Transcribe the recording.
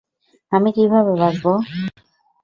আমি কিভাবে বাঁচবো?